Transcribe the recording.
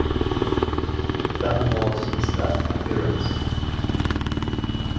That was his last appearance.